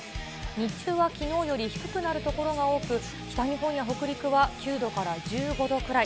日中はきのうより低くなる所が多く、北日本や北陸は９度から１５度くらい。